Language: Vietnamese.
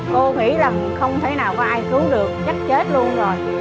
cô nghĩ là không thể nào có ai xuống được chắc chết luôn rồi